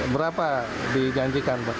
berapa dijanjikan pak